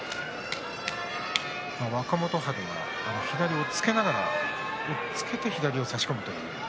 若元春は右を押っつけながら左を差し込むという。